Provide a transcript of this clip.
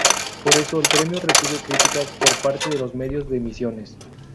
Por eso, el premio recibe críticas por parte de los medios de Misiones.